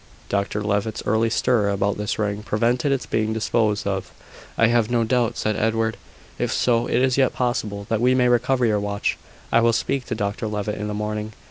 "Dr Levitt's early stir about this ring prevented its being disposed of, I have no doubt," said Edward. "If so, it is yet possible that we may recover your watch. I will speak to Dr Levitt in the morning."